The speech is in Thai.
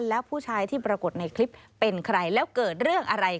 แล้วผู้ชายที่ปรากฏในคลิปเป็นใครแล้วเกิดเรื่องอะไร